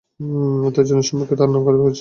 তুই জনসম্মুখের তার নাম খারাপ করেছিস।